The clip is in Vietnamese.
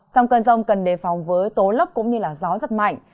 trong cơn rông cần đề phòng với tố lốc cũng như gió rất mạnh